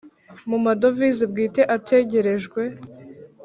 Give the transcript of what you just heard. Mu madovize bwite ategerejwe